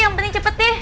yang penting cepet deh